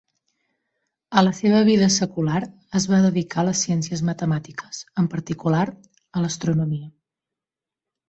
A la seva vida secular, es va dedicar a les ciències matemàtiques, en particular a l'astronomia.